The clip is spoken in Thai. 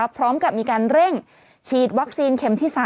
พร้อมกับมีการเร่งฉีดวัคซีนเข็มที่๓